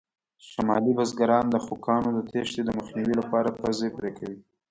شمالي بزګران د خوکانو د تېښتې د مخنیوي لپاره پزې پرې کوي.